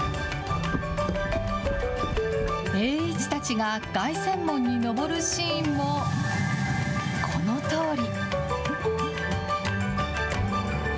栄一たちが凱旋門に登るシーンも、このとおり。